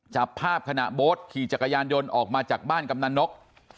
จับภาพขณะโบ๊ทขี่จักรยานยนต์ออกมาจากบ้านกำนันนก